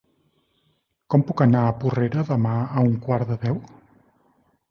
Com puc anar a Porrera demà a un quart de deu?